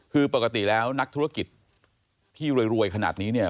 คือปกติแล้วนักธุรกิจที่รวยขนาดนี้เนี่ย